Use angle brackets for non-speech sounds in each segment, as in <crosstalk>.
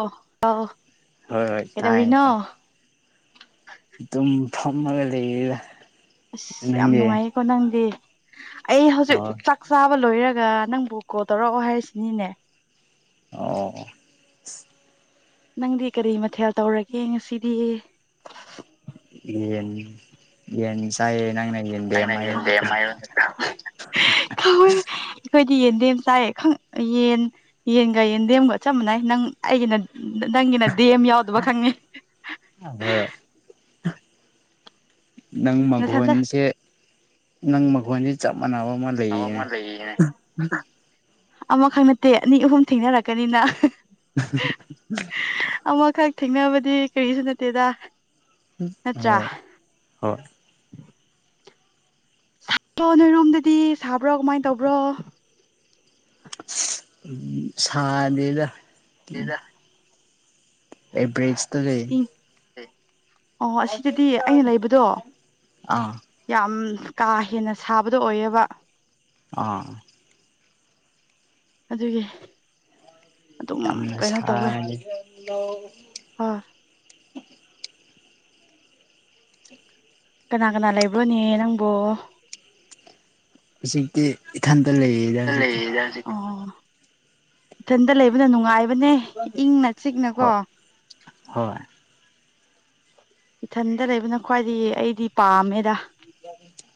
ꯑꯣ ꯑ ꯍꯣꯏ ꯍꯣꯏ ꯀꯩꯗꯧꯔꯤꯅꯣ ꯇꯝ ꯐꯃꯒ ꯂꯩ ꯑꯁ ꯌꯥꯝ ꯅꯨꯡꯉꯥꯏꯌꯦꯀꯣ ꯅꯪꯗꯤ ꯑꯩ ꯍꯧꯖꯤꯛ ꯍꯣꯏ ꯆꯥꯛ ꯆꯥꯕ ꯂꯣꯏꯔꯒ ꯅꯪꯕꯨ ꯀꯣꯜ ꯇꯧꯔꯛꯑꯣ ꯍꯥꯏꯔꯤꯁꯤꯅꯤꯅꯦ ꯑꯣ ꯅꯪꯗꯤ ꯀꯔꯤ ꯃꯊꯦꯜ ꯇꯧꯔꯒꯦ ꯉꯁꯤꯗꯤ ꯌꯦꯟ ꯌꯦꯅꯤ ꯁꯥꯏ ꯅꯪꯅꯦ ꯅꯪꯅ ꯌꯦꯟꯗꯦꯥꯏꯌꯣꯟ ꯑꯩꯈꯣꯏꯗꯤ ꯗꯦꯝ ꯆꯥꯏꯌꯦ ꯌꯦꯟ ꯌꯦꯟꯒ ꯌꯦꯟꯗꯦꯝꯒ ꯆ ꯃꯥꯟꯅꯩ ꯅꯪ ꯑꯩꯒꯤꯅ ꯅꯪꯒꯤꯅꯗꯤꯦꯝ ꯌꯥꯎꯗꯕ ꯈꯪꯉꯤ ꯑꯗꯣ ꯅꯪ ꯅꯊꯟꯗ ꯃꯈꯒꯣꯟꯁꯦ ꯅꯪ ꯃꯈꯒꯣꯟꯁꯦ ꯑꯋꯥ ꯃ ꯂꯩꯅꯦ ꯑꯃꯈꯛ ꯅꯠꯇꯦ ꯑꯅꯤ ꯑꯍꯨꯝ ꯊꯦꯡꯅꯔꯛꯀꯅꯤꯅ <unintelligible> ꯑꯃꯈꯛ ꯊꯦꯡꯅꯕꯗꯤ ꯀꯔꯤꯁꯨ ꯅꯠꯇꯦꯗ ꯅꯠꯇ꯭ꯔꯥ ꯍꯣꯏ ꯍꯣꯏ ꯁꯥꯣ ꯅꯣꯏꯔꯣꯝꯗꯗꯤ ꯁꯥꯕ꯭ꯔꯣ ꯀꯃꯥꯏꯅ ꯇꯧꯕ꯭ꯔꯣ ꯎ ꯁꯥꯟꯗꯗ ꯁꯤꯗ ꯑꯦꯚꯔꯦꯖ ꯇꯔ ꯏꯪ ꯑꯣ ꯑꯁꯤꯗꯗꯤ ꯑꯩꯅ ꯂꯩꯕꯗꯣ ꯑꯥ ꯌꯥꯝ ꯀꯥ ꯍꯦꯟꯅ ꯁꯥꯕꯗꯣ ꯑꯣꯏꯌꯦꯕ ꯑ ꯑꯗꯨꯒꯤ ꯑꯗꯨꯝ ꯌꯥꯝꯅ ꯀꯩꯅꯣ ꯇꯧꯋꯦ ꯁꯥꯗꯦ ꯍꯣꯏ ꯀꯅꯥ ꯀꯅꯥ ꯂꯩꯕ꯭ꯔꯣꯅꯦ ꯅꯪꯕꯨꯣ ꯍꯧꯖꯤꯛꯇꯤ ꯏꯊꯟꯇ ꯂꯩꯔꯤꯗ ꯍꯧꯖꯤꯛꯇꯤ ꯑꯣ ꯏꯊꯟꯇ ꯂꯩꯕꯅ ꯅꯨꯡꯉꯥꯏꯕ ꯅꯦ ꯏꯪꯅ ꯆꯤꯛꯅꯀꯣ ꯍꯣꯏ ꯍꯣꯏ ꯏꯊꯟꯗ ꯂꯩꯕꯅ ꯈ꯭ꯋꯥꯏꯗꯤ ꯑꯩꯗꯤ ꯄꯥꯝꯃꯦꯗ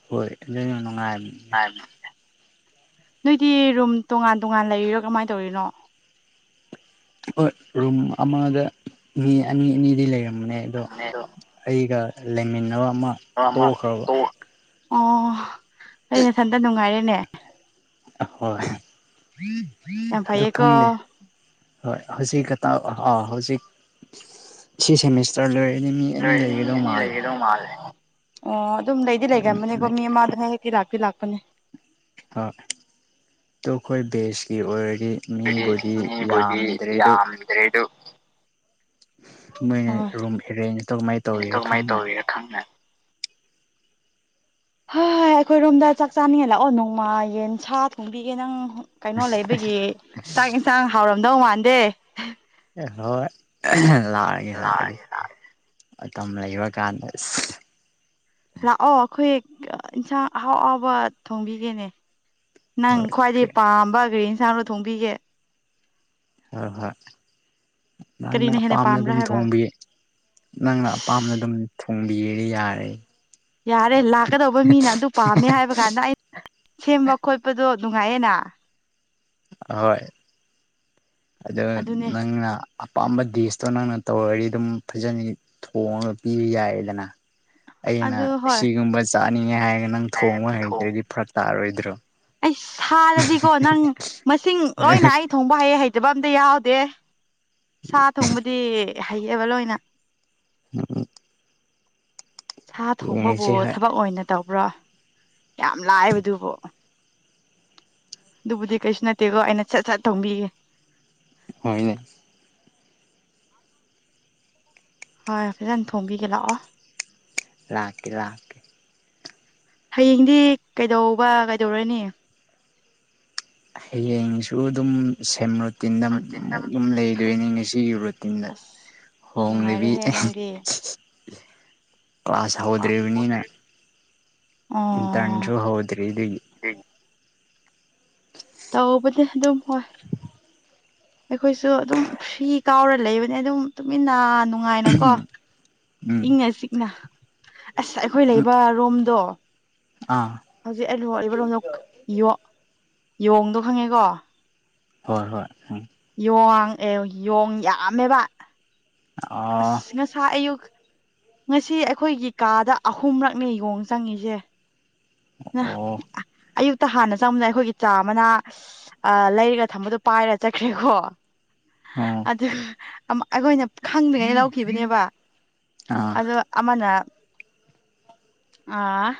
ꯍꯣꯏ ꯑꯗꯨ ꯅꯨꯡꯉꯥꯏ ꯍꯥꯏꯦ ꯅꯣꯏꯗꯤ ꯔꯨꯝ ꯇꯣꯉꯥꯟ ꯇꯣꯉꯥꯟ ꯂꯩꯔꯤꯔꯣ ꯀꯃꯥꯏꯅ ꯇꯧꯔꯤꯅꯣ ꯍꯣꯏ ꯔꯨꯝ ꯑꯃꯗ ꯃꯤ ꯑꯅꯤ ꯑꯅꯤꯗꯤ ꯂꯩꯔꯝꯃꯦ ꯅꯦ ꯑꯗꯣ ꯑꯩꯒ ꯂꯩꯃꯤꯟꯅꯕ ꯑꯃ ꯑꯃ ꯇꯣꯛꯈ꯭ꯔꯕ ꯇꯣꯛ ꯑꯣ ꯑ ꯅꯊꯟꯗ ꯅꯨꯡꯉꯥꯏꯔꯦꯅꯦ ꯍꯣꯏ ꯌꯥꯝ ꯑꯗꯨꯗ ꯐꯩꯌꯦꯀꯣ ꯀꯪꯅꯦ ꯍꯣꯏ ꯍꯧꯖꯤꯛ ꯑ ꯑ ꯍꯧꯖꯤꯛ ꯊ꯭ꯔꯤ ꯁꯦꯃꯤꯁꯇꯔ ꯂꯩ ꯍꯣꯏ ꯑꯅꯤ ꯂꯩꯒꯗꯧ ꯃꯥꯜꯂꯦ ꯑꯣ ꯑꯗꯨꯝꯗꯩꯗꯤ ꯂꯩꯒ꯭ꯔꯝꯝꯕꯅꯦꯀꯣ ꯃꯤ ꯍꯣꯏ ꯑꯃ ꯑꯗꯨꯝ ꯍ ꯍꯦꯛꯇꯤ ꯂꯥꯛꯄꯤ ꯂꯥꯛꯄꯅꯦ ꯑ ꯇꯣ ꯑꯩꯈꯣꯏ ꯕꯦꯁꯀꯤ ꯑꯣꯏꯔ ꯗꯤ ꯍꯥꯏꯗꯤ ꯃꯤꯕꯨꯗꯤ ꯃꯤꯕꯨꯗꯤ ꯌꯥꯝꯗ꯭ꯔꯦ ꯑꯗꯨ ꯌꯥꯝꯗ꯭ꯔꯦ ꯑꯗꯨ ꯃꯣꯏꯅ ꯍꯣꯏ ꯔꯨꯝ ꯑꯦꯔꯦꯟꯖ ꯇꯧ ꯀꯃꯥꯏꯅ ꯇꯧꯔꯤꯔ ꯀꯃꯥꯏꯅ ꯈꯪꯅ ꯇꯧꯔꯤꯔ ꯈꯪꯗꯦ ꯍ ꯑꯩꯈꯣꯏꯔꯣꯝꯗ ꯆꯥꯛ ꯆꯥꯅꯤꯡꯉꯦ ꯂꯥꯛꯑꯣ ꯅꯣꯡꯃꯥ ꯌꯦꯟ ꯁꯥ ꯊꯣꯡꯕꯤꯒꯦ ꯅꯪ ꯀꯩꯅꯣ ꯂꯩꯕꯒꯤ ꯆꯥꯛ ꯏꯟꯁꯥꯡ ꯍꯥꯎꯔꯝꯗꯧ ꯃꯥꯟꯗꯦ ꯍꯣꯏ ꯂꯥꯎꯒꯦ ꯂꯥꯎꯒꯦ ꯂꯥꯛꯑꯒꯦ ꯂꯥꯛꯑꯒꯦ ꯇꯝ ꯂꯩꯕ ꯀꯥꯟꯗꯁ ꯂꯥꯛꯑꯣ ꯑꯩꯈꯣꯏ ꯏꯟꯁꯥꯡ ꯑꯍꯥꯎ ꯑꯍꯥꯎꯕ ꯊꯣꯡꯕꯤꯒꯦꯅꯦ ꯅꯪ ꯍꯣꯏ ꯈ꯭ꯋꯥꯏꯗꯩ ꯄꯥꯝꯕ ꯒꯔꯤ ꯏꯟꯁꯥꯡꯗꯣ ꯊꯣꯡꯕꯤꯒꯦ ꯍꯣꯏ ꯍꯣꯏ ꯅꯪꯅ ꯀꯔꯤꯅ ꯍꯦꯟꯅ ꯑꯄꯥꯝꯅ ꯄꯥꯝꯕ꯭ꯔꯥ ꯑꯗꯨꯝ ꯍꯥꯏꯕ ꯊꯣꯡꯕꯤ ꯅꯪꯅ ꯑꯄꯥꯝꯅ ꯑꯗꯨꯝ ꯄꯨꯡꯕꯤꯔꯤ ꯌꯥꯔ ꯌꯥꯔꯦ ꯂꯥꯛꯀꯗꯧꯕ ꯃꯤꯅ ꯑꯗꯨ ꯄꯥꯝꯃꯦ ꯍꯥꯏꯕ ꯀꯥꯟꯗ ꯑꯩ ꯁꯦꯝꯕ ꯈꯣꯠꯄꯗꯣ ꯅꯨꯡꯉꯥꯏꯌꯦꯅ ꯍꯣꯏ ꯑꯗ ꯑꯗꯨꯅꯦ ꯅ ꯑꯄꯥꯝꯕ ꯗꯤꯁꯇꯣ ꯅꯪꯅ ꯇꯧꯔꯗꯤ ꯑꯗꯨꯝ ꯐꯖꯅ ꯊꯣꯡꯉꯒ ꯄꯤꯕ ꯌꯥꯏꯗꯅ ꯑꯩꯅ ꯑꯗꯨ ꯍꯣꯏ ꯁꯤꯒꯨꯝꯕ ꯆꯥꯅꯤꯡꯉꯦ ꯍꯥꯏꯔꯒ ꯅꯪ ꯊꯣꯡꯕ ꯊꯣꯡ ꯍꯩꯇ꯭ꯔꯗꯤ ꯐꯔꯛ ꯇꯥꯔꯔꯣꯏꯗ꯭ꯔꯣ ꯑꯩ ꯁꯥꯗꯗꯤꯀꯣ ꯅꯪ ꯃꯁꯤꯡ ꯂꯣꯏꯅ ꯑꯩ ꯊꯣꯡꯕ ꯍꯥꯏꯌꯦ ꯍꯥꯏ ꯤꯕ ꯑꯝꯇ ꯌꯥꯎꯗꯦ ꯁꯥ ꯊꯣꯡꯕꯗꯤ ꯍꯩꯌꯦꯕ ꯂꯣꯏꯅ ꯑ ꯁꯥ ꯊꯣꯡꯕꯕꯨ ꯍꯣꯏ ꯊꯕꯛ ꯑꯣꯏꯅ ꯇꯧꯕ꯭ꯔꯣ ꯌꯥꯝ ꯂꯥꯏꯕꯗꯨꯕꯨ ꯑꯗꯨꯕꯨꯗꯤ ꯀꯩꯁꯨ ꯅꯠꯇꯦꯀꯣ ꯑꯩꯅ ꯁꯠ ꯁꯠ ꯊꯣꯡꯕꯤꯒꯦ ꯍꯅ ꯍꯣꯏ ꯐꯈꯤꯇꯪ ꯊꯣꯝꯕꯤꯒ ꯂꯥꯛꯑꯣ ꯂꯥꯛꯀꯦ ꯂꯥꯛꯀꯦ ꯍꯌꯦꯡꯗꯤ ꯀꯩꯗꯧꯕ ꯀꯩꯗꯧꯔꯅꯤ ꯍꯌꯦꯡꯁꯨ ꯑꯗꯨꯝ ꯁꯦꯝ ꯔꯨꯇꯤꯟꯗ ꯑꯗꯨꯨꯝ ꯂꯩꯗꯣꯏꯅꯤ ꯉꯁꯤꯒꯤ ꯔꯨꯇꯤꯟꯗ ꯑꯁ ꯍꯣꯂꯤꯕꯤ ꯅꯨꯡꯉꯥꯏꯔꯦꯍꯦ ꯅꯪꯗꯤ ꯀ꯭ꯂꯥꯁ ꯍꯧꯗ꯭ꯔꯤꯕꯅꯤꯅ ꯏ ꯑꯣ ꯇꯟꯨ ꯍꯣꯗ꯭ꯔꯔꯤ ꯑꯗꯨ ꯧꯕ ꯑꯗꯨꯝ ꯑꯩꯈꯣꯏꯁꯨ ꯑꯗꯨꯝ ꯐꯤ ꯀꯥꯎꯔ ꯂꯩꯕꯅꯦ ꯑꯗꯨꯝ ꯇꯨꯃꯤꯟꯅ ꯅꯥꯟꯅꯨ ꯅꯨꯡꯉꯥꯏꯅꯀꯣ ꯎꯝ ꯏꯪꯉ ꯆꯤꯛꯅ ꯑꯁ ꯑꯩꯈꯣꯏ ꯎꯝ ꯂꯩꯕ ꯔꯣꯝꯗꯣ ꯑꯥ ꯍꯧꯖꯤꯛ ꯑꯩ ꯂꯨꯍꯛꯂꯤꯕꯔꯣꯝꯗ ꯌꯣꯡꯗꯣ ꯈꯪꯉꯦꯀꯣ ꯍꯣꯏ ꯍꯣꯏ ꯎꯝ ꯌꯦꯣꯡ ꯑꯦ ꯌꯣꯡ ꯌꯥꯝꯃꯦꯕ ꯑ ꯑꯥ ꯉ ꯁ ꯌꯨꯒ ꯉꯁꯤ ꯑꯩꯈꯣꯏꯒꯤ ꯀꯥꯗ ꯑꯍꯨꯝꯔꯛꯅꯦ ꯌꯦꯣꯡ ꯆꯪꯉꯁꯦ ꯑꯣ ꯑ ꯑꯌꯨꯛꯇ ꯍꯥꯟꯅ ꯆꯪꯕꯗ ꯑꯩꯈꯣꯏꯒꯤ ꯆꯥ ꯑꯃꯅ ꯑ ꯂꯩꯔꯒ ꯊꯝꯕꯗꯣ ꯄꯥꯏꯔ ꯆꯠꯈ꯭ꯔꯦꯀꯣ ꯑꯣ ꯑꯗꯨ ꯑꯩꯈꯣꯏꯅ ꯈꯪꯗ꯭ꯔꯤꯉꯩꯗ ꯂꯧꯈꯤꯕꯅꯦꯕ ꯑꯥ ꯑꯗꯣ ꯑꯃꯅ ꯑ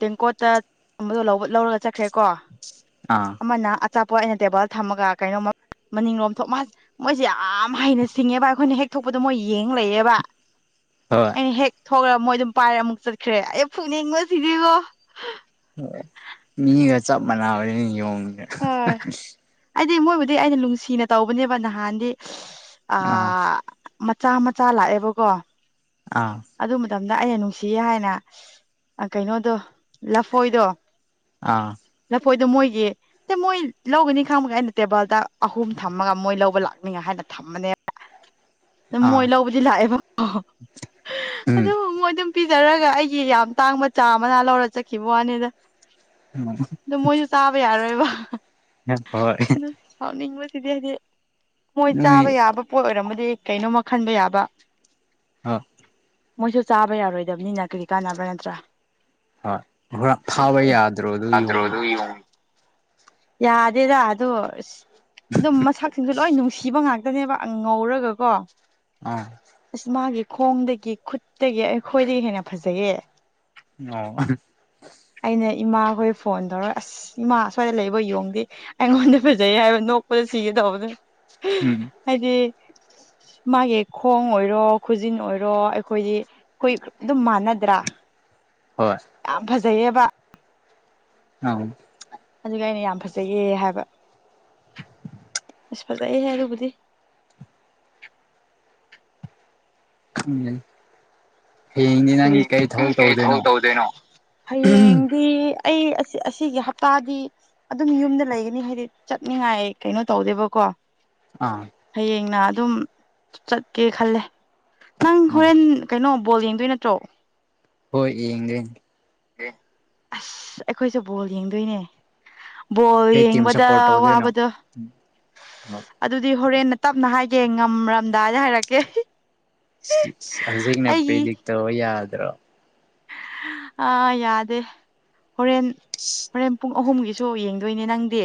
ꯇꯦꯡꯀꯣꯠꯇꯝꯕꯗꯣ ꯂꯧꯔꯒ ꯆꯠꯈ꯭ꯔꯦꯀꯣ ꯑꯥ ꯑꯃꯅ ꯆꯠꯄꯣ ꯑꯩꯅ ꯇꯦꯕꯜ ꯊꯝꯃꯒ ꯀꯩꯅꯣꯃ ꯃꯅꯤꯡꯂꯣꯝ ꯊꯣꯛ ꯃꯥꯁ ꯃꯣꯏꯁꯦ ꯌꯥꯝ ꯍꯩꯅ ꯁꯤꯡꯉꯦꯕ ꯑꯩꯈꯣꯏꯅ ꯍꯦꯛ ꯊꯣꯛꯄꯗ ꯃꯣꯏ ꯌꯦꯡ ꯂꯩꯑꯕ ꯍꯣꯏ ꯊꯣꯛꯈꯒ ꯃꯣꯏ ꯑꯗꯨꯝ ꯄꯥꯏꯔ ꯑꯃꯨꯛ ꯆꯠꯈ꯭ꯔꯦ ꯑꯩ ꯐꯨꯛꯅꯤꯡꯉꯣ ꯁꯤꯅꯦꯀꯣ ꯒ ꯆꯞ ꯃꯥꯟꯅꯕꯅꯤꯅ ꯌꯦꯣꯡꯗꯦ ꯗꯤ ꯃꯣꯏꯕꯨꯗꯤ ꯑꯩꯅ ꯅꯨꯡꯁꯤꯅ ꯇꯧꯕꯅꯦꯕ ꯅꯍꯥꯟꯗꯤ ꯑ ꯑꯥ ꯃꯆꯥ ꯆꯥ ꯂꯥꯛꯑꯦꯕꯀꯣ ꯑꯥ ꯑꯗꯨ ꯃꯇꯝꯗ ꯑꯩꯅ ꯅꯨꯡꯁꯤꯌꯦ ꯍꯥꯏꯅ ꯀꯩꯅꯣꯗꯣ ꯂꯐꯣꯏꯗꯣ ꯑꯥ ꯑꯗꯨ ꯃꯣꯏꯒꯤ ꯁ ꯃꯣꯏ ꯂꯧꯒꯅꯤ ꯈꯪꯕꯒ ꯑꯩꯅ ꯇꯦꯕꯜꯗ ꯑꯍꯨꯝ ꯊꯝꯃꯒ ꯃꯣꯏ ꯂꯧꯕ ꯂꯥꯛꯅꯤꯉ ꯍꯥꯏꯅ ꯊ ꯃꯅꯤ ꯎ ꯑ ꯃꯣꯏ ꯂꯧꯕꯗꯤ ꯂꯥꯛꯑꯦꯕ ꯑꯗꯨ ꯎꯝ ꯃꯣꯏ ꯑꯗꯨꯝ ꯄꯤꯖꯔꯒ ꯑꯩꯒꯤ ꯌꯥꯝ ꯇꯥꯡꯕ ꯆꯥ ꯑꯃꯅ ꯂꯧꯔ ꯆꯠꯈꯤꯕ ꯋꯥꯅꯤꯗ ꯑ ꯃꯣꯏꯁꯨ ꯆꯥꯕ ꯌꯥꯔꯣꯏꯕ ꯍꯣꯏ ꯍꯥꯎꯅꯤ ꯃꯁꯤꯗꯗꯦ ꯃꯣꯏ ꯆꯥꯕ ꯅꯣꯏ ꯌꯥꯕ ꯄꯣꯠ ꯑꯣꯏꯔꯝꯃꯗꯤ ꯀꯩꯅꯣꯝꯃ ꯈꯟꯕ ꯌꯥꯕ ꯑ ꯃꯣꯏꯁꯨ ꯆꯥꯕ ꯌꯥꯔꯣꯏꯗꯕꯅꯤꯅ ꯀꯔꯤ ꯀꯥꯟꯅꯕ꯭ꯔꯥ ꯅꯠꯇ꯭ꯔꯥ ꯍꯣꯏ ꯍꯣꯔ ꯐꯥꯕ ꯌꯥꯗ꯭ꯔꯣ ꯑꯗ꯭ꯔꯣ ꯑꯗꯨ ꯌꯣꯡꯗꯣ ꯏ ꯌꯥꯗꯦꯗ ꯑꯗꯣ ꯑꯗꯨꯝ ꯃꯁꯛꯁꯤꯡꯁꯨ ꯂꯣꯏ ꯅꯨꯡꯁꯤꯕ ꯉꯥꯛꯇ ꯗꯅꯦꯕ ꯉꯧꯔꯒ ꯀꯣ ꯑꯥ ꯈꯣꯡꯗꯒꯤ ꯈꯨꯠꯇꯒꯤ ꯑꯩꯈꯣꯏꯗꯒꯤ ꯍꯦꯟꯅ ꯐꯖꯩꯌꯦ ꯑ ꯑꯩꯅ ꯏꯃꯥꯈꯣꯏ ꯐꯣꯟ ꯇꯧꯔꯒ ꯑꯁ ꯏꯃꯥ ꯑꯁ꯭ꯋꯥꯏꯗ ꯂꯩꯕ ꯌꯦꯣꯡꯗꯦ ꯑꯩꯉꯣꯟꯗ ꯐꯖꯩ ꯍꯥꯏꯕ ꯅꯣꯛꯄꯗ ꯁꯤꯒ ꯇꯗ ꯎꯝ ꯍꯥꯏꯗꯤ ꯃꯥꯒꯤ ꯈꯣꯡ ꯑꯣꯏꯔꯣ ꯈꯨꯖꯤꯟ ꯑꯣꯏꯔꯣ ꯑꯩꯈꯣꯏꯗꯤ ꯑꯩꯈꯣꯏ ꯑꯗꯨꯝ ꯃ ꯈꯅꯗ꯭ꯔꯥ ꯍꯣꯏ ꯌꯥꯝ ꯐꯖꯩꯌꯦꯕ ꯑꯥꯎ ꯑꯗꯨꯒ ꯑꯩꯅ ꯌꯥꯝ ꯐꯖꯩꯌꯦ ꯍꯥꯏꯕ ꯑꯁꯄꯖꯏ ꯍꯥꯏꯦꯔꯕꯨꯗꯤ ꯎꯝ ꯀꯩ ꯊꯕꯛ ꯇꯧꯗꯣꯏꯅꯣ ꯍꯌꯦꯡꯗꯤ ꯑꯩ ꯑꯁꯤꯒꯤ ꯍꯞꯇꯥꯗꯤ ꯑꯗꯨꯝ ꯌꯨꯝꯗ ꯂꯩꯒꯅꯤ ꯍꯥꯏꯗꯤ ꯆꯠꯅꯤꯉꯥꯏ ꯀꯩꯅꯣ ꯇꯧꯗꯦꯕꯀꯣ ꯑꯥ ꯍꯌꯦꯡꯅ ꯑꯗꯨꯝ ꯆꯠꯀꯦ ꯈꯜꯂꯦ ꯅꯪ ꯎꯝ ꯍꯣꯔꯦꯟ ꯀꯩꯅꯣ ꯕꯣꯜ ꯌꯦꯡꯗꯣꯏ ꯅꯠꯇ꯭ꯔꯣ ꯍꯣꯏ ꯏꯡꯒ ꯑꯁ ꯑꯩꯈꯣꯏꯁꯨꯦ ꯕꯣꯜ ꯌꯦꯡꯗꯣꯏꯅꯦ ꯕꯣꯜ ꯀꯩ ꯇꯤꯝ ꯌꯦꯡꯕꯗ ꯁꯞꯄꯣꯔꯠ ꯇꯧꯗꯣꯏꯅꯣ ꯋꯥꯕꯗꯣ ꯑꯗꯨꯗꯤ ꯍꯣꯔꯦꯟꯟꯅ ꯇꯞꯅ ꯍꯥꯏꯒꯦ ꯉꯝꯔꯝꯗꯥꯏꯗ ꯍꯥꯏꯔꯛꯀꯦ ꯍꯧꯖꯤꯛꯅ ꯑꯩꯒꯤ ꯄ꯭ꯔꯤꯗꯤꯛꯇ ꯌꯥꯗ꯭ꯔꯣ ꯑꯥ ꯌꯥꯗꯦ ꯍꯣꯔꯦꯟ ꯍꯣꯔꯦꯟ ꯄꯨꯡ ꯑꯍꯨꯝꯒꯤꯁꯨ ꯌꯦꯡꯗꯣꯏꯅꯦ ꯅꯪꯗꯤ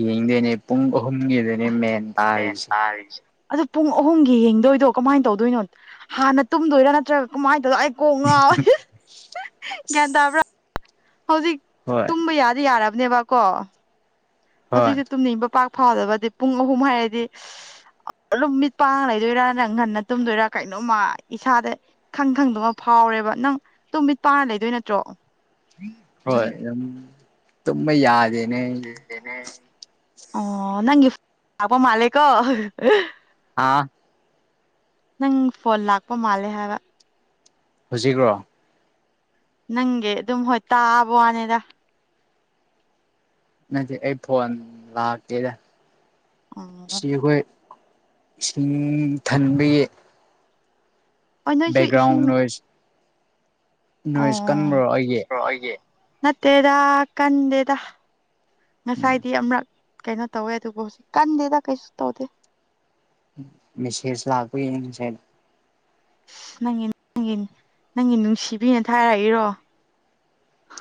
ꯌꯦꯡꯗꯣꯏꯅꯦ ꯄꯨꯡ ꯑꯍꯨꯝꯒꯤꯗꯅꯦ ꯃꯦꯟ ꯃꯦꯟ ꯇꯥꯔꯤꯁꯦ ꯇꯥꯔꯤꯁꯦ ꯑꯗꯨ ꯄꯨꯡ ꯑꯍꯨꯝꯒꯤ ꯌꯦꯡꯗꯣꯏꯗꯣ ꯀꯃꯥꯏꯅ ꯇꯧꯗꯣꯏꯅꯣ ꯍꯥꯟꯅ ꯇꯨꯝꯗꯣꯏꯔꯥ ꯅꯠꯇ꯭ꯔꯒ ꯀꯃꯥꯏꯅ ꯇꯧꯗ ꯑꯩ ꯀꯉ ꯒꯦꯟꯗꯕ꯭ꯔꯥ ꯍꯧꯖꯤꯛ ꯍꯣꯏ ꯇꯨꯝꯕ ꯌꯥꯗꯤ ꯌꯥꯔꯕꯅꯦꯕꯀꯣ ꯍꯣꯏ ꯍꯧꯖꯤꯛꯇꯤ ꯇꯨꯝꯅꯤꯡꯕ ꯄꯥꯛ ꯐꯥꯎꯗꯕꯗꯤ ꯄꯨꯡ ꯑꯍꯨꯝ ꯍꯥꯏꯔꯗꯤ ꯑꯗꯨꯝ ꯃꯤꯠ ꯄꯥꯡ ꯂꯩꯗꯣꯏꯔꯥ ꯅꯪ ꯉꯟꯅ ꯇꯨꯝꯗꯣꯏꯔꯥ ꯀꯩꯅꯣꯝꯃ ꯏꯁꯥꯗ ꯈꯪ ꯈꯪꯗꯃ ꯐꯥꯎ ꯔꯦꯕ ꯅꯪ ꯑꯗꯨ ꯃꯤꯠ ꯄꯥꯅ ꯂꯩꯗꯣꯏ ꯅꯠꯇ꯭ꯔꯣ ꯍꯣꯏ ꯌꯥꯝ ꯇꯃ ꯌꯥꯗꯦ ꯑꯣ ꯅꯪꯦꯄ ꯃꯥꯂꯦꯀꯣ ꯑꯥ ꯅꯪ ꯐꯣꯟ ꯂꯥꯛꯄ ꯃꯥꯜꯂꯦ ꯍꯥꯏꯕ ꯍꯧꯖꯤꯛ꯭ꯔꯣ ꯅꯪꯒꯤ ꯑꯗꯨꯝ ꯍꯣꯏ ꯇꯥꯕ ꯋꯥꯅꯤꯗ ꯅꯗꯤ ꯑꯩ ꯐꯣꯟ ꯂꯥꯛꯀꯦꯗ ꯑꯣ ꯁꯤ ꯑꯩꯈꯣꯏ ꯨꯝ ꯊꯟꯕꯤ ꯍꯣꯏ ꯅꯣꯏꯁꯨ ꯏꯁꯤꯡ ꯕꯦꯛꯒ꯭ꯔꯥꯎꯟ ꯅꯣꯏ ꯑꯣ ꯑꯩꯒꯤ ꯑꯣ ꯑꯩꯦ ꯅꯠꯇꯦꯗ ꯀꯟꯗꯦꯗ ꯎꯝ ꯉꯁꯥꯏꯗꯤ ꯑꯃꯔꯛ ꯀꯩꯅꯣ ꯇꯧꯋꯦ ꯑꯗꯨꯕꯨ ꯍꯧꯖꯤꯛ ꯀꯟꯗꯦꯗ ꯀꯩꯁꯨ ꯇꯧꯗꯦ ꯃꯦꯁꯦꯖ ꯂꯥꯛꯄ ꯌꯦꯡꯁꯦ ꯑ ꯅꯪꯒꯤ ꯅꯪꯒꯤ ꯅꯪꯒꯤ ꯅꯨꯡꯁꯤꯕꯤꯅ ꯊꯥꯔꯛꯏꯔꯣ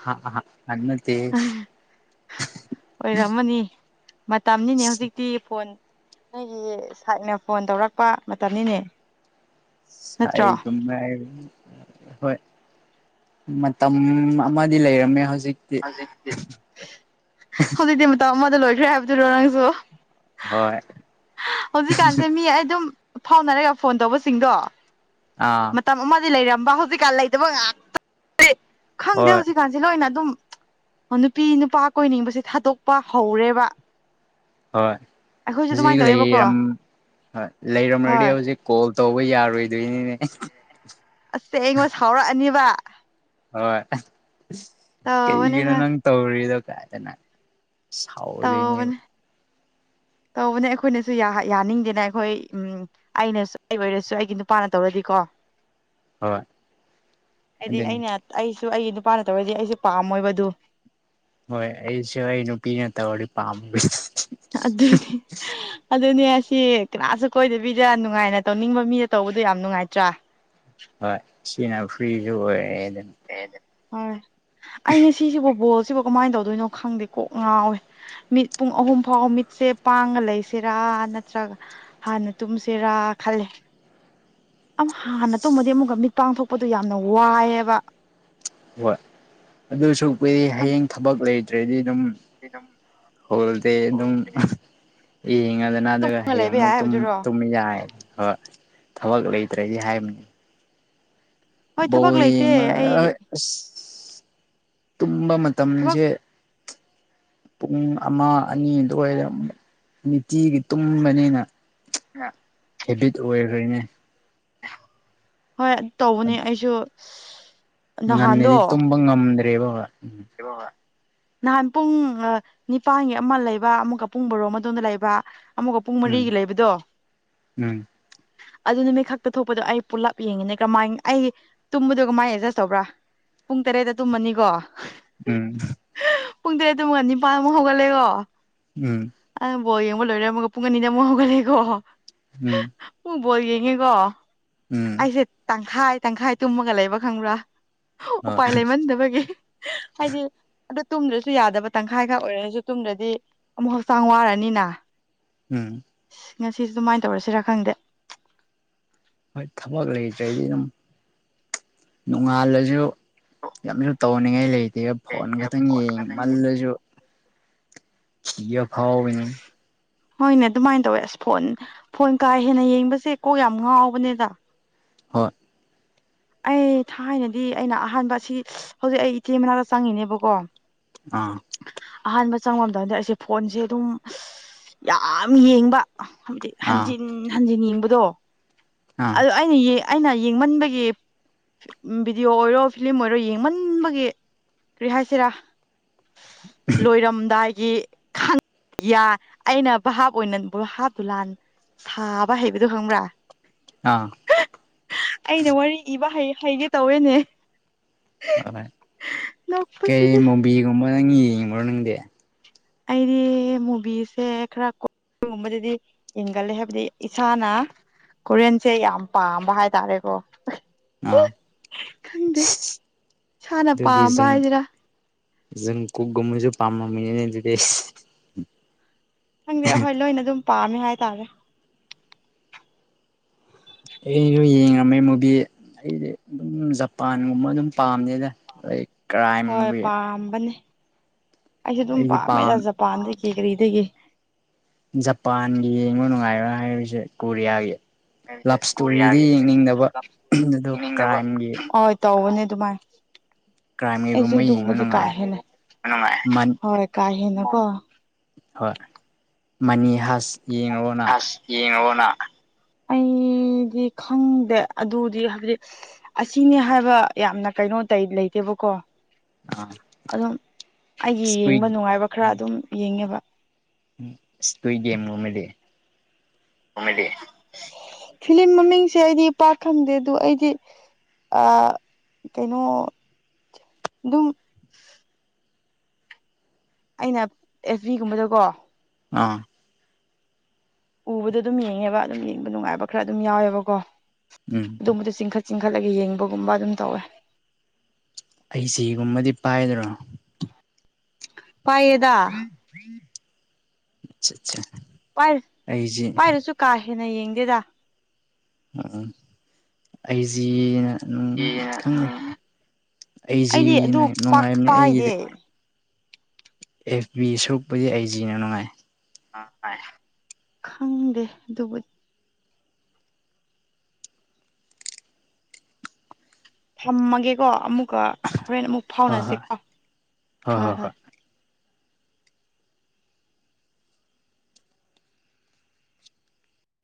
ꯑ ꯑꯠꯇ ꯑꯣꯏꯔꯝꯃꯅꯤ ꯃꯇꯝꯅꯤꯅꯦ ꯍꯧꯖꯤꯛꯇꯤ ꯐꯣꯟ ꯅꯣꯏꯒꯤ ꯁꯥꯏꯠꯅ ꯐꯣꯟ ꯇꯧꯔꯛꯄ ꯃꯇꯝꯅꯤꯅꯦ ꯁ ꯅꯠꯇ꯭ꯔꯣ ꯀꯝꯃꯥꯏ ꯍꯣꯏ ꯃꯇꯝ ꯑꯃꯗꯤ ꯂꯩꯔꯝꯃꯦ ꯍꯧꯖꯤꯛ ꯍꯧꯖꯤ ꯍꯧꯖꯤꯛꯇꯤ ꯃꯇꯝ ꯑꯃꯗ ꯂꯣꯏꯈ꯭ꯔꯦ ꯍꯥꯏꯕꯗꯨꯔꯣ ꯅꯪꯁꯨ ꯍꯣꯏ ꯍꯧꯖꯤꯛꯀꯥꯟꯁꯦ ꯃꯤ ꯑꯩ ꯑꯗꯨꯝ ꯐꯥꯎꯅꯔꯒ ꯐꯣꯟ ꯇꯧꯕꯁꯤꯡꯗꯣ ꯑꯥ ꯃꯇꯝ ꯑꯃꯗꯤ ꯂꯩꯔꯝꯕ ꯍꯧꯖꯤꯛꯀꯥꯟ ꯂꯩꯇꯕ ꯉꯥꯛꯇ ꯈꯪꯗꯦ ꯍꯣꯏ ꯍꯧꯖꯤꯛꯀꯥꯟꯁꯦ ꯂꯣꯏꯅ ꯑꯗꯨꯝ ꯑꯣ ꯅꯨꯄꯤ ꯅꯨꯄꯥ ꯀꯣꯏꯅꯤꯡꯕꯁꯦ ꯊꯥꯗꯣꯛꯄ ꯍꯧꯔꯦꯕ ꯍꯣꯏ ꯑꯩꯈꯣꯏꯁꯨ ꯍꯧꯖꯤꯛ ꯑꯗꯨꯃꯥꯏꯅ ꯇꯧꯋꯦꯕꯀꯣ ꯂꯩꯔꯝ ꯍꯣꯏ ꯂꯩꯔꯝꯃꯗꯤ ꯍꯣꯏ ꯍꯧꯖꯤꯛ ꯀꯣꯜ ꯇꯧꯕ ꯌꯥꯔꯣꯏꯗꯣꯏꯅꯤꯅꯦ ꯑꯁ ꯑꯩꯉꯣꯟꯗ ꯁꯥꯎꯔꯛꯑꯅꯤꯕ ꯍꯣꯏ ꯇꯧꯕꯅꯦ ꯀꯩꯒꯤꯅꯣ ꯍꯣꯏ ꯅꯪ ꯇꯧꯔꯤꯗꯣ ꯀꯥꯏꯗꯅꯪ ꯍꯥꯎ ꯂꯩꯅꯤ ꯇꯧꯕꯅꯦ <inaudible> ꯇꯧꯕꯅꯦ ꯑꯩꯈꯣꯏꯅꯁꯨ ꯌꯥꯅꯤꯡꯗꯦꯅ ꯑꯩꯈꯣꯏ ꯑꯩꯅꯁꯨ ꯑꯩ ꯑꯣꯏꯔꯁꯨ ꯑꯩꯒꯤ ꯅꯨꯄꯥꯅ ꯇꯧꯔꯗꯤꯀꯣ <inaudible> ꯍꯥꯏꯗꯤ ꯑꯗꯨꯅꯤ ꯑꯩꯅ ꯑꯩ ꯁ ꯑꯩꯒꯤ ꯅꯨꯄꯥꯅ ꯇꯧꯔꯗꯤꯦ ꯑꯩꯁꯨ ꯄꯥꯝꯃꯣꯏꯕ ꯑꯗꯨ ꯍꯣꯏ ꯑꯩꯁꯨ ꯑꯩ ꯅꯨꯄꯤ ꯅꯠꯇ ꯋꯥꯔꯤ ꯄꯥꯝ ꯑꯗꯨꯅꯤ ꯑꯗꯨꯗꯅꯦꯁ ꯁꯤ ꯀꯅꯥꯁꯨ ꯀꯣꯏꯗꯕꯤꯗ ꯅꯨꯡꯉꯥꯏꯅ ꯇꯧꯅꯤꯡꯕ ꯃꯤꯗ ꯇꯧꯕꯗꯣ ꯌꯥꯝ ꯅꯨꯡꯉꯥꯏꯇ꯭ꯔꯥ ꯍꯣꯏ ꯁꯤꯤꯅꯥ ꯐ꯭ꯔꯤꯖ ꯑꯣꯏ ꯍ ꯑꯗꯨ ꯍꯣꯏ ꯑꯩ ꯉꯁꯤꯁꯤꯕ ꯕꯣꯜꯁꯤꯕꯨ ꯀꯃꯥꯏꯅ ꯇꯧꯗꯣꯏꯅꯣ ꯈꯪꯗꯦ ꯀꯣꯛ ꯉꯥꯎꯋꯦ ꯃꯤꯠ ꯄꯨꯡ ꯑꯍꯨꯝ ꯐꯥꯎ ꯃꯤꯠꯁꯦ ꯄꯥꯡꯉ ꯂꯩꯁꯤꯔꯥ ꯅꯠꯇ꯭ꯔꯒ ꯍꯥꯟꯅ ꯇꯨꯝꯁꯤꯔꯥ ꯈꯦ ꯎ ꯑ ꯍꯥꯟꯅ ꯇꯨꯝꯃꯗꯤ ꯑꯃꯨꯛꯀ ꯃꯤꯠ ꯄꯥꯡꯊꯣꯛꯄꯗꯣ ꯌꯥꯝꯅ ꯋꯥꯏꯑꯦꯕ ꯍꯣꯏ ꯑꯗꯨꯁꯨ ꯀꯨꯗꯤ ꯍꯌꯦꯡ ꯊꯕꯛ ꯂꯩꯇ꯭ꯔꯗꯤ ꯑꯗꯨꯝ ꯍꯣꯜꯗꯤ ꯑꯗꯨꯝ ꯌꯦꯡꯉꯗꯅ ꯑꯗꯨꯒ ꯒ ꯂꯩꯕ ꯍꯌꯦꯡꯃꯨꯛ ꯌꯥꯏ ꯍꯥꯏꯕꯗꯨꯔꯣ ꯇꯨꯝ ꯌꯥꯏ ꯍ ꯊꯕꯛ ꯂꯩꯇ꯭ꯔꯗꯤ ꯍꯥꯏꯕꯅꯤ ꯍꯣꯏ ꯊꯕꯛ ꯣꯔꯤ ꯂꯩꯇꯦ ꯑꯩ ꯇꯝꯕ ꯊꯕꯛ ꯃꯇꯝꯁꯦ ꯄꯨꯡ ꯑꯃ ꯑꯅꯤ ꯑꯗꯨꯋꯥꯏꯗ ꯅꯨꯡꯇꯤꯒꯤ ꯇꯨꯝꯕꯅꯤꯅ ꯍꯥ ꯍꯦꯕꯤꯠ ꯑꯣꯏꯈ꯭ꯔꯦꯅꯦ ꯍꯣꯏ ꯇꯧꯕꯅꯦ ꯑꯩꯁꯨ ꯉꯟꯅꯦꯗꯤ ꯇꯨꯝꯕ ꯉꯝꯗ꯭ꯔꯦꯕ ꯍꯕꯕ ꯅꯍꯥꯟ ꯄꯨꯡ ꯅꯤꯄꯥꯟꯒꯤ ꯑꯃ ꯂꯩꯕ ꯑꯃꯛꯒ ꯄꯨꯡ ꯔꯣꯝ ꯑꯗꯨꯗꯣꯝꯗ ꯂꯩꯕ ꯑꯃꯨꯛꯀ ꯄꯨꯡ ꯎꯝ ꯃꯔꯤꯒꯤ ꯂꯩꯕꯗꯣ ꯎꯝ ꯑꯗꯨ ꯅꯨꯃꯤꯠ ꯈꯛꯇ ꯊꯣꯛꯄꯗꯣ ꯑꯩ ꯄꯨꯜꯂꯞ ꯌꯦꯡꯉꯤꯅꯦ ꯀꯃꯥꯏ ꯑꯩꯒꯤ ꯇꯨꯝꯕꯗꯣ ꯀꯃꯥꯏꯅ ꯑꯦꯗꯖꯁ ꯇꯧꯕ꯭ꯔꯥ ꯄꯨꯡ ꯇꯔꯦꯠꯇ ꯇꯨꯝꯃꯅꯤꯀꯣ ꯎꯝ ꯄꯨꯡ ꯇꯔꯦꯠꯨꯛꯒ ꯅꯤꯄꯥꯟꯃꯨꯛ ꯍꯧꯒꯠꯂꯦꯀꯣ ꯎꯝ ꯑꯣꯕꯣ ꯌꯦꯡꯕ ꯂꯣꯏꯔꯝꯃꯒ ꯄꯨꯡ ꯑꯅꯤ ꯑꯃꯨꯛ ꯍꯧꯒꯠꯂꯦꯀꯣ ꯎꯝ ꯄꯨꯡ ꯕꯣꯜ ꯌꯦꯡꯉꯦꯀꯣ ꯎꯝ ꯑꯩꯁꯦ ꯇꯪꯈꯥꯏ ꯇꯪꯈꯥꯏ ꯇꯨꯝꯃꯒ ꯂꯩꯕ ꯈꯪꯕ꯭ꯔꯥ ꯍꯣꯏ ꯎꯄꯥꯏ ꯂꯩꯃꯟꯗꯕꯒꯤ ꯍꯥꯏꯗꯤ ꯑꯗꯨ ꯇꯨꯝꯗ꯭ꯔꯁꯨ ꯌꯥꯗꯕ ꯇꯪꯈꯥꯏ ꯈꯛ ꯑꯣꯏꯔꯁꯨ ꯇꯨꯝꯗ꯭ꯔꯗꯤ ꯑꯃꯨꯛ ꯍꯛꯆꯥꯡ ꯋꯥꯔꯅꯤꯅ ꯎꯝ ꯉꯁꯤꯁ ꯑꯗꯨꯃꯥꯏꯅ ꯇꯧꯔꯁꯤꯔꯥ ꯈꯪꯗꯦ ꯍꯣꯏ ꯊꯕꯛ ꯂꯩꯇ꯭ꯔꯦꯗꯤ ꯑꯗꯨꯝ ꯅꯣꯡꯉꯥꯜꯂꯁꯨ ꯌꯥꯝꯁꯨ ꯇꯧꯅꯤꯡꯉꯥꯏ ꯂꯩꯇꯦ ꯑ ꯐꯣꯟ ꯈꯛꯇꯪ ꯐꯣꯟ ꯌꯦꯡꯉꯤ ꯉꯥꯛꯇꯪ ꯃꯜꯂꯁꯨ ꯌꯦ ꯐꯥꯎ ꯑꯣꯏꯅꯅꯦ ꯍꯣꯏꯅꯦ ꯑꯗꯨꯃꯥꯏꯅ ꯇꯧꯋꯦ ꯑꯁ ꯐꯣꯟ ꯐꯣꯟ ꯀꯥ ꯍꯦꯟꯅ ꯌꯦꯡꯕꯁꯦ ꯀꯣ ꯌꯥꯝ ꯉꯥꯎꯕꯅꯦꯗ ꯍꯣꯏ ꯑꯩ ꯊꯥꯏꯅꯗꯤ ꯑꯩꯅ ꯑꯍꯥꯟꯕ ꯑꯁꯤ ꯍꯧꯖꯤꯛ ꯑꯩ ꯏꯆꯦ ꯃꯅꯥꯛꯇ ꯆꯪꯉꯤꯅꯦꯕꯀꯣ ꯑꯥ ꯑꯍꯥꯟꯕ ꯆꯪꯕꯝꯗꯗꯤ ꯑꯩꯁꯦ ꯐꯣꯟꯁꯦ ꯑꯗꯨꯝ ꯌꯥꯝ ꯌꯦꯡꯕ ꯍꯥꯏꯕꯗꯤ ꯑꯥ ꯍꯟꯖꯤꯟ ꯍꯟꯖꯤꯟ ꯌꯦꯡꯕꯗꯣ ꯑꯥ ꯑꯗꯨ ꯑꯩꯅ ꯑꯩꯅ ꯌꯦꯡꯃꯟꯕꯒꯤ ꯚꯤꯗꯤꯑꯣ ꯑꯣꯏꯔꯣ ꯐꯤꯂꯝꯂꯝ ꯑꯣꯏꯔꯣ ꯌꯦꯡꯃꯟꯕꯒꯤ ꯀꯔꯤ ꯍꯥꯏꯁꯤꯔꯥ ꯂꯣꯏꯔꯝꯗꯥꯏꯒꯤ ꯌꯥꯏ ꯑꯩꯅ ꯚ ꯍꯥꯞ ꯑꯣꯏꯅ ꯍꯥꯞꯇꯣ ꯂꯥꯟ ꯁꯥꯕ ꯍꯩꯕꯗꯣ ꯈꯪꯕ꯭ꯔꯥ ꯑꯥ ꯑꯩꯅ ꯋꯥꯔꯤ ꯏꯕ ꯍꯩꯒꯦ ꯇꯧꯋꯦꯅꯦ ꯍꯣꯏ ꯀꯩ ꯅꯣꯛꯄꯁꯤꯗꯤ ꯃꯣꯕꯤꯒꯨꯝꯕ ꯅꯪ ꯌꯦꯡꯉ꯭ꯔꯣ ꯅꯪꯗꯤ ꯑꯩꯗꯤ ꯃꯨꯚꯤꯁꯁꯦ ꯈꯔ ꯀ ꯑꯗꯨꯒꯒꯨꯝꯕꯗꯗꯤ ꯌꯦꯡꯒꯜꯂꯦ ꯍꯥꯏꯕꯗꯤ ꯏꯁꯥꯅ ꯀꯣꯔꯤꯌꯟꯁꯦ ꯌꯥꯝ ꯄꯥꯝꯕ ꯍꯥꯏꯇꯥꯔꯦꯀꯣ ꯑꯥ ꯈꯪꯗꯦ ꯏꯁꯥꯅ ꯄꯥꯝꯕ ꯍꯥꯏꯁꯤꯔꯥ ꯨꯝ ꯀꯒꯨꯝꯃꯁꯨ ꯄꯥꯝꯃꯃꯤꯅꯦ ꯑꯗꯨꯗꯤ ꯈꯪꯗꯦ ꯑꯩꯍꯣꯏ ꯂꯣꯏꯅ ꯑꯗꯨꯝ ꯄꯥꯝꯃꯦ ꯍꯥꯏꯇꯥꯔꯦ ꯑꯩꯁꯨ ꯌꯦꯡꯉꯝꯃꯦ ꯃꯨꯚ ꯑꯩꯗꯤ ꯑꯗꯨꯝ ꯖꯄꯥꯟꯒꯨꯝꯕ ꯑꯗꯨꯝ ꯄꯥꯝꯅꯦꯅ ꯂꯥꯏꯛ ꯍꯣꯏ ꯀ꯭ꯔꯥꯏꯝꯒꯤ ꯄꯝꯝꯕꯅꯦ ꯑꯩꯁꯨ ꯑꯗꯨꯝ ꯑꯩꯗꯤ ꯄꯥꯝꯃꯦꯗ ꯄꯥꯝ ꯖꯄꯥꯟꯗꯒꯤ ꯀ ꯀꯔꯤꯗꯒꯤ ꯖꯄꯥꯟꯒꯤ ꯌꯦꯡꯕ ꯅꯨꯡꯉꯥꯏꯔ ꯍꯥꯏꯔꯤꯁꯦ ꯀꯣꯔꯤꯌꯥꯒꯤ ꯂꯞ ꯏꯁꯇꯣꯔꯤꯗꯤ ꯀꯣꯔꯤꯌꯥꯒꯤ ꯌꯦꯡꯅꯤꯡꯗꯕ ꯑꯗꯨ ꯌꯦꯡꯅꯤꯡꯗꯕ ꯀ꯭ꯔꯥꯏꯝꯒꯤ ꯍꯣꯏ ꯇꯧꯕꯅꯦ ꯑꯗꯨꯃꯥꯏ ꯑꯩꯁꯨ ꯀ꯭ꯔꯥꯏꯝꯒꯤꯒꯨꯝꯕ ꯌꯦꯡꯕ ꯑꯗꯨꯒꯨꯝꯕꯗꯤ ꯀꯥ ꯅꯨꯡꯉꯥꯏ ꯍꯦꯟꯅ ꯃꯟ ꯍꯣꯏ ꯀꯥ ꯍꯦꯟꯅ ꯀꯣ ꯍꯣꯏ ꯃꯅꯤꯍꯖ ꯑꯁ ꯌꯦ ꯉ ꯍꯅꯥ ꯑꯩꯗꯤ ꯈꯪꯗꯦ ꯑꯗꯨꯗꯤ ꯍꯥꯏꯕꯗꯤ ꯑꯁꯤꯅꯤ ꯍꯥꯏꯕ ꯌꯥꯝꯅ ꯀꯩ ꯀꯩꯅꯣ ꯇ ꯂꯩꯇꯦꯕꯀꯣ ꯑꯥ ꯑꯗꯨꯝ ꯑꯩꯒꯤ ꯏꯁꯀꯨꯏ ꯌꯦꯡꯕ ꯅꯨꯡꯉꯥꯏꯕ ꯈꯔ ꯑꯗꯨꯝ ꯌꯦꯡꯉꯦꯕ ꯁꯄꯦꯝꯒꯃꯦꯗꯤ ꯐꯤꯂꯝꯂꯝ ꯃꯃꯤꯡꯁꯦ ꯑꯩꯗꯤ ꯏ ꯄꯥꯛ ꯈꯪꯗꯦ ꯑꯗꯨ ꯑꯩꯗꯤ ꯑ ꯀꯩꯅꯣ ꯑꯗꯨꯝ ꯑꯩꯅ ꯑꯦꯐ ꯕꯤꯒꯨꯝꯕꯗꯀꯣ ꯑꯥ ꯎꯕꯗ ꯑꯗꯨꯝ ꯌꯦꯡꯉꯦꯕ ꯑꯗꯨꯝ ꯌꯦꯡꯕ ꯅꯨꯡꯉꯥꯏꯕ ꯈꯔ ꯑꯗꯨꯝ ꯌꯥꯎꯋꯦꯕꯀꯣ ꯎꯝ ꯑꯗꯨꯝꯕꯗꯣ ꯆꯤꯡꯈꯠ ꯆꯤꯡꯈꯠꯂꯒ ꯌꯦꯡꯕꯒꯨꯝꯕ ꯑꯗꯨꯝ ꯇꯧꯋꯦ ꯑꯩ ꯁꯤꯒꯨꯝꯕꯗꯤ ꯄꯥꯏꯗ꯭ꯔꯣ ꯄꯥꯏꯌꯦꯗ ꯐ ꯐꯔꯤ ꯄꯥꯏ ꯄꯥꯏꯔꯁꯨ ꯀꯥ ꯍꯦꯟꯅ ꯌꯦꯡꯗꯦꯗ ꯎꯝ ꯑꯩꯁꯤ ꯑꯗꯨꯝ ꯈꯪꯗꯦ ꯑꯩꯗꯤ ꯑꯩꯁꯤꯅ ꯑꯗꯨ ꯄꯥꯛ ꯅꯨꯡꯉꯥꯏꯕꯅꯦ ꯄꯥꯏꯗꯦ ꯑꯩꯒꯤꯗꯤ ꯑꯦꯐ ꯕꯤ ꯁꯣꯛꯄꯗꯤ ꯑꯩ ꯖꯤꯅ ꯅꯨꯡꯉꯥꯏ ꯑ ꯈꯪꯗꯦ ꯑꯗꯨꯕꯨꯗꯤ ꯊꯝꯃꯒꯦꯀꯣ ꯑꯃꯨꯛꯀ ꯍꯣꯔꯦꯟ ꯑꯃꯨꯛ ꯍꯣꯏ ꯍꯣꯏ ꯐꯥꯎꯅꯁꯤꯀꯣ ꯍꯣꯏ ꯍꯣꯏ